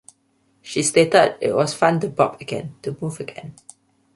She stated It was fun to bop again, to move again.